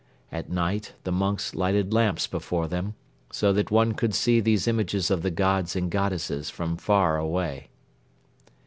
At night the monks lighted lamps before them, so that one could see these images of the gods and goddesses from far away.